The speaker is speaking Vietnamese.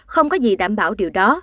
không có gì đáng đáng